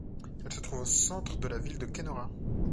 Elle se trouve au centre de la ville de Kenora.